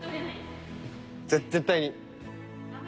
絶対に？